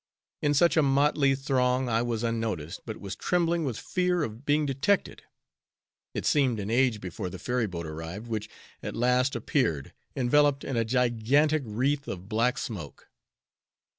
In such a motley throng I was unnoticed, but was trembling with fear of being detected. It seemed an age before the ferry boat arrived, which at last appeared, enveloped in a gigantic wreath of black smoke.